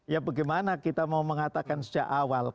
ya bagaimana kita mau mengatakan sejak awal